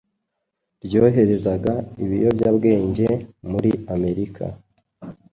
ryoherezaga ibiyobyabwenge muri Amerika.